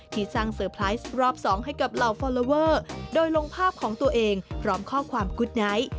ที่สร้างเซอร์ไพรส์รอบ๒ให้กับเหล่าฟอลลอเวอร์โดยลงภาพของตัวเองพร้อมข้อความกุ๊ดไนท์